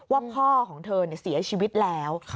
ว่าพ่อของเธอเสียชีวิตแล้ว